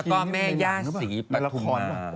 แล้วก็แม่ย่าสีปัตถุงมะ